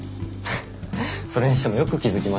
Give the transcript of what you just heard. それにしてもよく気付きましたね。